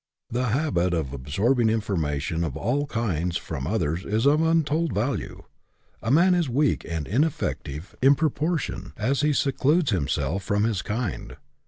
The habit of absorbing information of all kinds from others is of untold value. A man is weak and ineffective in proportion as he EDUCATION BY ABSORPTION 35 secludes himself from his kind.